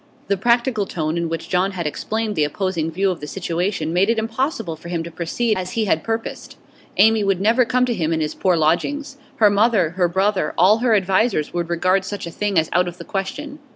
The practical tone in which John had explained the opposing view of the situation made it impossible for him to proceed as he had purposed. Amy would never come to him in his poor lodgings; her mother, her brother, all her advisers would regard such a thing as out of the question.